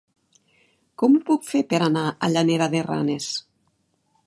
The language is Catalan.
Com ho puc fer per anar a Llanera de Ranes?